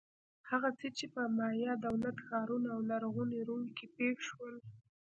هغه څه چې په مایا دولت-ښارونو او لرغوني روم کې پېښ شول.